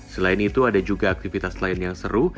selain itu ada juga aktivitas lain yang seru